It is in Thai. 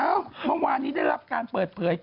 เมื่อวานนี้ได้รับการเปิดเผย